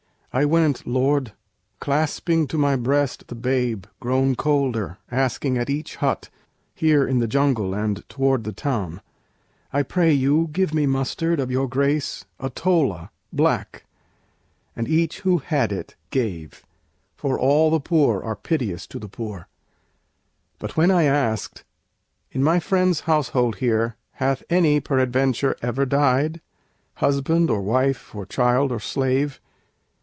"I went, Lord, clasping to my breast The babe, grown colder, asking at each hut, Here in the jungle and toward the town, 'I pray you, give me mustard, of your grace, A tola black' and each who had it gave, For all the poor are piteous to the poor: But when I asked, 'In my friend's household here Hath any peradventure ever died Husband or wife, or child, or slave?'